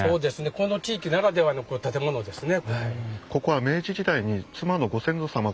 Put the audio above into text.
この地域ならではの建物ですね。